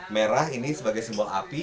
merah ini sebagai simbol api